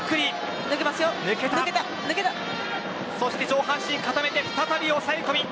上半身を固めて再び抑え込み。